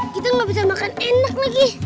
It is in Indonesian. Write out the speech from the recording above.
kita nggak bisa makan enak lagi